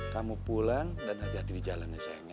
kamu pulang dan hati hati di jalan ya sayangnya